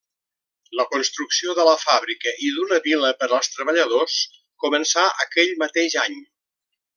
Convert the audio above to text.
La construcció de la fàbrica i d'una vila per als treballadors començà aquell mateix any.